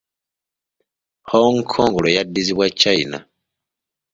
Hong Kong lwe yaddizibwa China.